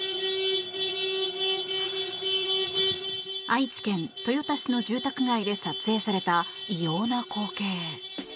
愛知県豊田市の住宅街で撮影された異様な光景。